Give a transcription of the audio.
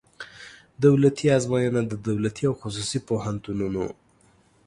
دولتي آزموینه د دولتي او خصوصي پوهنتونونو